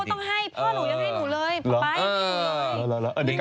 คุณพ่อหนูก็ต้องให้ผู้หญุมให้หนูเลย